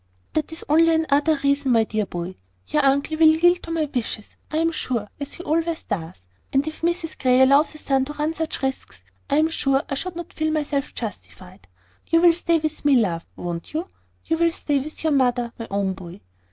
"That is only another reason, my dear boy. Your uncle will yield to my wishes, I am sure, as he always does. And if Mrs Grey allows her son to run such risks, I am sure I should not feel myself justified. You will stay with me, love, won't you? You will stay with your mother, my own boy."